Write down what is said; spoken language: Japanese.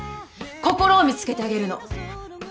心を見つけてあげるの。